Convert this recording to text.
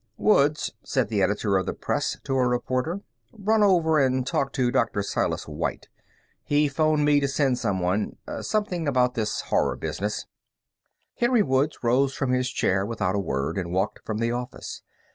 "Woods," said the editor of the Press to a reporter, "run over and talk to Dr. Silas White. He phoned me to send someone. Something about this Horror business." Henry Woods rose from his chair without a word and walked from the office.